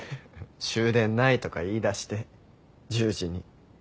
終電ないとか言いだして１０時に。